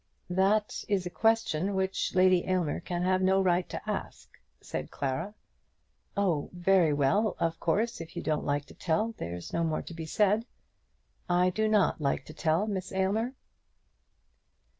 "That is a question which Lady Aylmer can have no right to ask," said Clara. "Oh; very well. Of course, if you don't like to tell, there's no more to be said." "I do not like to tell, Miss Aylmer."